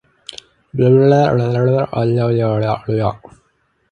The Banks children Michael, Jane, the twins, and Annabel plead with her to stay.